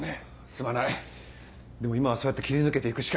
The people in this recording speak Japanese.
すまないでも今はそうやって切り抜けていくしか。